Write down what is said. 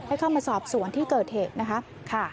เข้ามาสอบสวนที่เกิดเหตุนะคะ